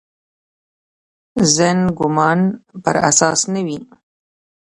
ظن ګومان پر اساس نه وي.